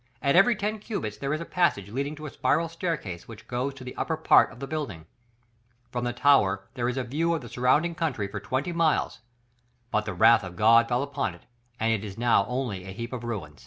At every ten cubits there is a passage leading to a spiral staircase, which goes to the upper part of the building; from the tower there is a view of the surrounding country for twenty miles; but the wrath of God fell upon it and it is now only a heap of ruins."